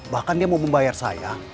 bahkan dia mau membayar saya